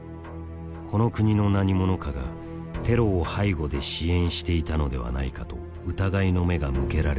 この国の何者かがテロを背後で支援していたのではないかと疑いの目が向けられていた。